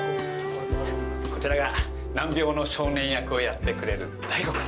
こちらが難病の少年役をやってくれる大吾君。